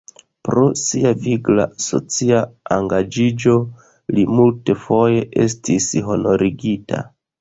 Pro sia vigla socia engaĝiĝo li multfoje estis honorigita.